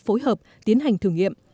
phối hợp tiến hành thử nghiệm